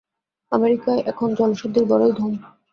আমেরিকায় এখন জলশুদ্ধির বড়ই ধুম।